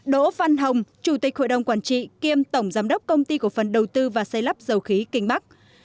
đỗ văn hồng chủ tịch hội đồng quản trị kiêm tổng giám đốc công ty cổ phần đầu tư và xây lắp dầu khí kinh bắc